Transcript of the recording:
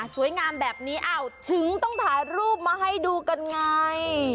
สวยงามแบบนี้อ้าวถึงต้องถ่ายรูปมาให้ดูกันไง